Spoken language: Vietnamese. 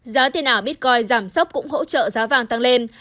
giá tiền ảo bitcoin giảm sóc cũng hỗ trợ giá vàng tăng lên